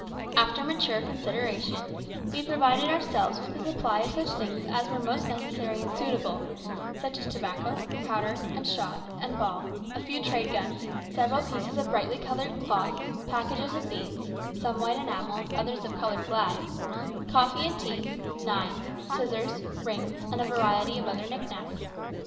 After mature consideration, we provided ourselves with a supply of such things as were most necessary and suitable such as tobacco, powder, and shot, and ball, a few trade guns, several pieces of brightly coloured cloth, packages of beads (some white enamelled, others of coloured glass), coffee and tea, knives, scissors, rings, and a variety of other knick knacks.